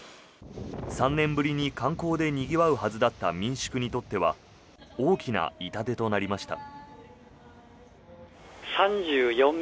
３年ぶりに観光でにぎわうはずだった民宿にとっては大きな痛手となりました。